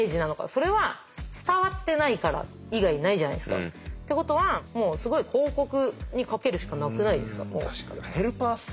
それは伝わってないから以外ないじゃないですか。ってことはもうすごい広告にかけるしかなくないですか？